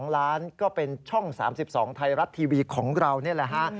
๒ล้านก็เป็นช่อง๓๒ไทยรัฐทีวีของเรานี่แหละฮะ